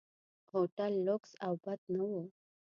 هوټل لکس او بد نه و.